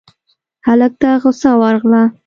هلک ته غوسه ورغله: